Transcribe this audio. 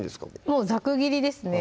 もうざく切りですね